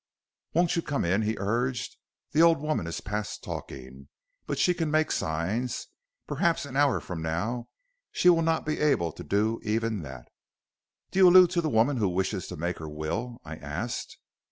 "'Won't you come in?' he urged. 'The old woman is past talking, but she can make signs; perhaps an hour from now she will not be able to do even that.' "'Do you allude to the woman who wishes to make her will?' I asked.